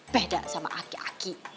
beda sama aki aki